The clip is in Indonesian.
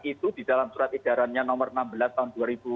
itu di dalam surat edarannya nomor enam belas tahun dua ribu dua puluh